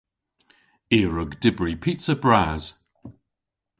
I a wrug dybri pizza bras.